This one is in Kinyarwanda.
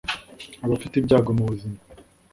aba afite ibyago mu buzima.